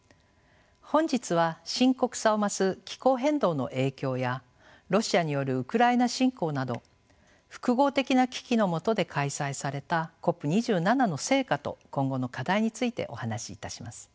本日は深刻さを増す気候変動の影響やロシアによるウクライナ侵攻など複合的な危機のもとで開催されたＣＯＰ２７の成果と今後の課題についてお話しいたします。